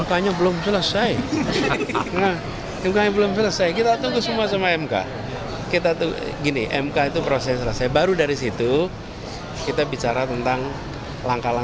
apakah itu benar pak